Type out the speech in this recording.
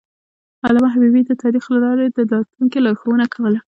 علامه حبیبي د تاریخ له لارې د راتلونکي لارښوونه کوله.